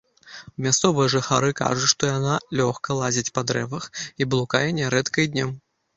Мясцовыя жыхары кажуць, што яна лёгка лазіць па дрэвах і блукае нярэдка і днём.